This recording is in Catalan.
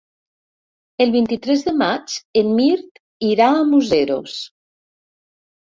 El vint-i-tres de maig en Mirt irà a Museros.